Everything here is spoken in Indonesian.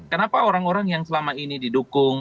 kenapa orang orang yang selama ini didukung